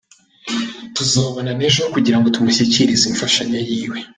Tuzobonana ejo kugira tumushikirize imfashanyo yiwe.